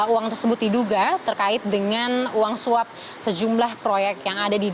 uang tersebut diduga terkait dengan uang suap sejumlah proyek yang ada di